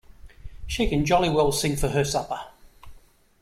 She can jolly well sing for her supper!